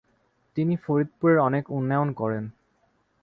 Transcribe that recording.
তিনি ফরিদপুরের অনেক উন্নয়ন করেন।